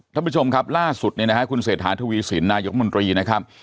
ท่านผู้ชมครับล่าสุดเนี่ยนะครับคุณเสถาธุวีศิลป์นายกของมนตรีนะครับ